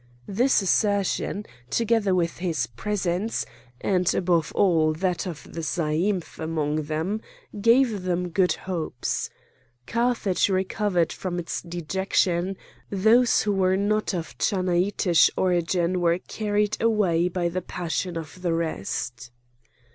This assertion, together with his presence, and above all that of the zaïmph among them, gave them good hopes. Carthage recovered from its dejection; those who were not of Chanaanitish origin were carried away by the passion of the rest.